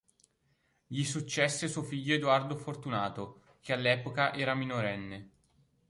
Gli successe suo figlio Edoardo Fortunato, che all'epoca era minorenne.